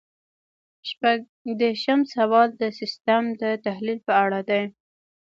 شپږ دېرشم سوال د سیسټم د تحلیل په اړه دی.